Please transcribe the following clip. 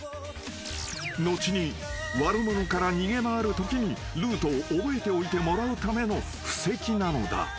［後に悪者から逃げ回るときにルートを覚えておいてもらうための布石なのだ］